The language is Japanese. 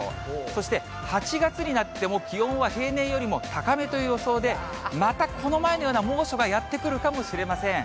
そして８月になっても、気温は平年よりも高めという予想で、またこの前のような猛暑がやって来るかもしれません。